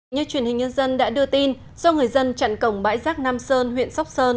như truyền hình nhân dân đã đưa tin do người dân chặn cổng bãi rác nam sơn huyện sóc sơn